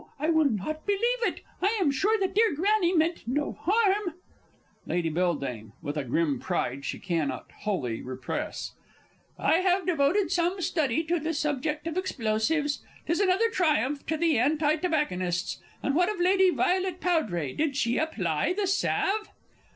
I will not believe it. I am sure that dear Granny meant no harm! Lady B. (with a grim pride she cannot wholly repress). I have devoted some study to the subject of explosives. 'Tis another triumph to the Anti tobacconists. And what of Lady Violet Powdray did she apply the salve?